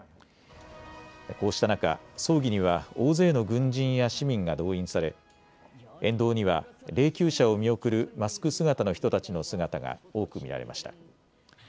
こうした中、葬儀には大勢の軍人や市民が動員され沿道には霊きゅう車を見送るマスク姿の人たちの姿が多く見られました。